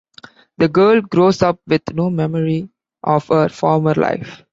The girl grows up with no memory of her former life.